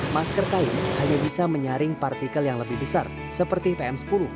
masker kain hanya bisa menyaring partikel yang lebih besar seperti pm sepuluh